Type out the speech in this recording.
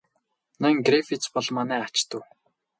Ноён Грифитс бол манай ач дүү.